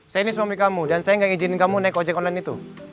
saya ini suami kamu dan saya nggak izinin kamu naik ojek online itu